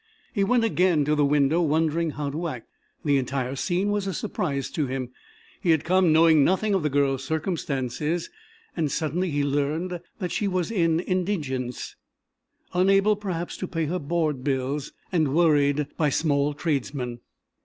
He went again to the window wondering how to act. The entire scene was a surprise to him. He had come knowing nothing of the girl's circumstances, and suddenly he learned that she was in indigence, unable perhaps to pay her board bills and worried by small tradesmen.